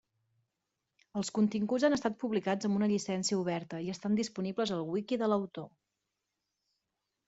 Els continguts han estat publicats amb una llicència oberta i estan disponibles al wiki de l'autor.